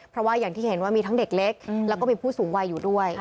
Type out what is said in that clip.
เพราะว่าอย่างที่เห็นว่ามีทั้งเด็กเล็กแล้วก็มีผู้สูงวัยอยู่ด้วย